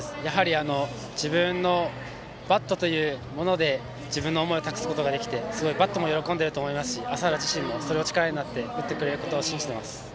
自分のバットというもので自分の思いを託すことができてバットも喜んでいると思いますし麻原自身もそれが力になって打ってくれることを信じています。